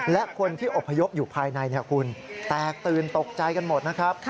และคนที่อบพยพอยู่ภายในคุณแตกตื่นตกใจกันหมดนะครับ